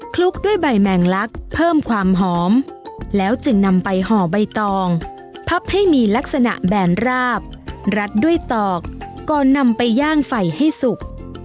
คลุกด้วยใบแมงลักเพิ่มความหอมแล้วจึงนำไปห่อใบตองพับให้มีลักษณะแบนราบรัดด้วยตอกก่อนนำไปย่างไฟให้สุก